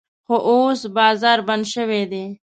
خو اوس بازار بند شوی دی.